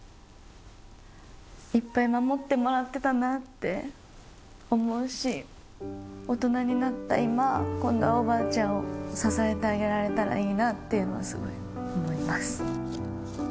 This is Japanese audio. いっぱい守ってもらってたなって思うし大人になった今今度はおばあちゃんを支えてあげられたらいいなっていうのはすごい思います。